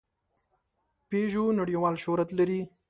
پيژو نړۍوال شهرت لري.